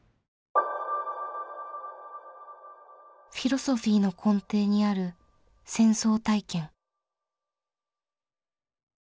フィロソフィーの根底にある「戦争体験」。